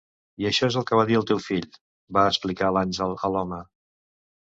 'I això és el que va dir el teu fill', va explicar l'àngel a l'home.